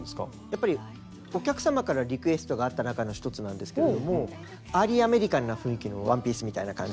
やっぱりお客様からリクエストがあった中の１つなんですけれどもアーリーアメリカンな雰囲気のワンピースみたいな感じで。